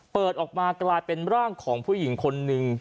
เปิดออกมากลายเป็นร่างของผู้หญิงคนนึง